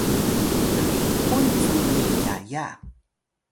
tliqun cu ni yaya